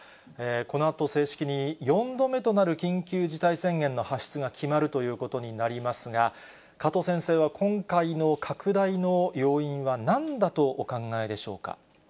このあと正式に４度目となる緊急事態宣言の発出が決まるということになりますが、加藤先生は今回の拡大の要因はなんだとお考えでしょうか。